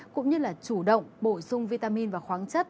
cũng như là chủ động bổ sung vitamin và khoáng chất